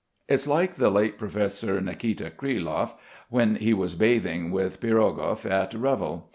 It's like the late Professor Nikita Krylov when he was bathing with Pirogov at Reval.